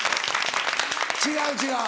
違う違う。